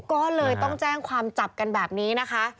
ก็เลยต้องแจ้งความจับกันแบบนี้นะคะ